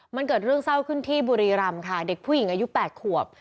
มันเกิดเรื่องเศร้าขึ้นที่บุรีรำค่ะเด็กผู้หญิงอายุ๘ขวบ